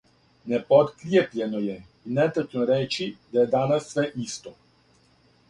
Непоткријепљено је и нетачно рећи да је данас све исто.